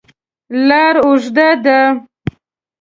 لاره اوږده ده.